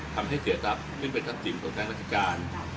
ทำให้เสียทรัพย์เป็นกับทัพสินตรัสลักราศจิการ